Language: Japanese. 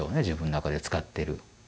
自分の中で使ってる。